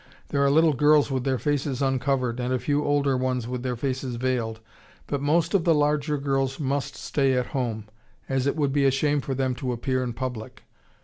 There are little girls with their faces uncovered, and a few older ones with their faces veiled, but most of the larger girls must stay at home, as it would be a shame for them to appear in public.